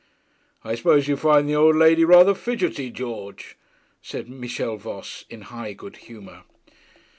'I suppose you find the old lady rather fidgety, George?' said Michel Voss in high good humour.